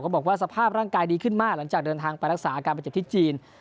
บอกว่าสภาพร่างกายดีขึ้นมากหลังจากเดินทางไปรักษาอาการประเจ็บที่จีน